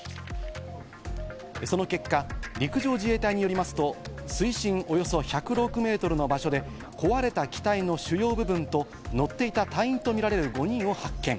その結果、陸上自衛隊によりますと水深およそ１０６メートルの場所で、壊れた機体の主要部分と乗っていた隊員とみられる５人を発見。